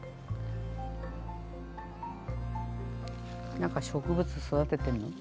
何か植物育ててんの？